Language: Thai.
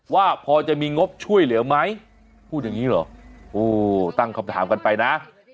ว่าพอจะมีงบช่วยเหลือไหมพูดอย่างนี้เหรอโอ้ตั้งคำถามกันไปนะ